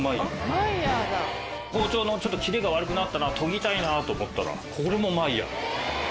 包丁の切れが悪くなったな研ぎたいなと思ったらこれもマイヤー。